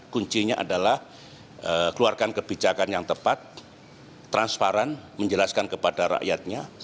kuncinya adalah keluarkan kebijakan yang tepat transparan menjelaskan kepada rakyatnya